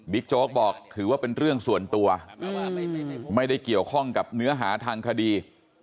โจ๊กบอกถือว่าเป็นเรื่องส่วนตัวไม่ได้เกี่ยวข้องกับเนื้อหาทางคดี